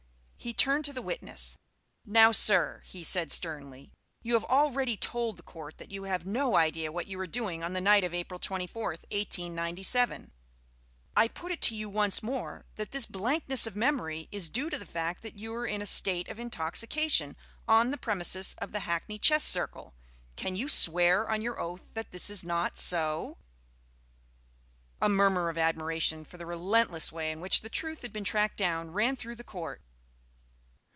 He turned to the witness. "Now, Sir," he said sternly, "you have already told the Court that you have no idea what you were doing on the night of April 24th, 1897. I put it to you once more that this blankness of memory is due to the fact that you were in a state of intoxication on the premises of the Hackney Chess Circle. Can you swear on your oath that this is not so?" A murmur of admiration for the relentless way in which the truth had been tracked down ran through the Court.